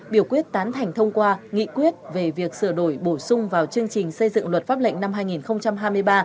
biểu quyết tán thành thông qua nghị quyết về việc sửa đổi bổ sung vào chương trình xây dựng luật pháp lệnh năm hai nghìn hai mươi ba